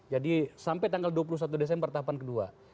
jadi sampai tanggal dua puluh satu desember tahapan kedua